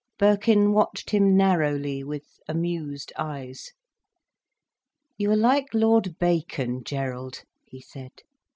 Birkin watched him narrowly, with amused eyes. "You are like Lord Bacon, Gerald," he said.